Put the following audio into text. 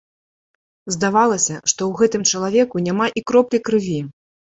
Здавалася, што ў гэтым чалавеку няма і кроплі крыві.